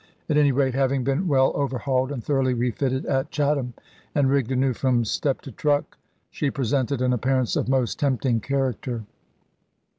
At any rate, having been well overhauled, and thoroughly refitted at Chatham, and rigged anew from step to truck, she presented an appearance of most tempting character.